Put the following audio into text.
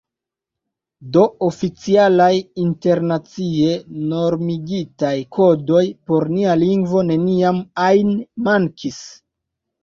Do oficialaj internacie normigitaj kodoj por nia lingvo neniam ajn mankis.